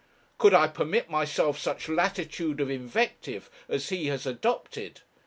Could I permit myself such latitude of invective as he has adopted?'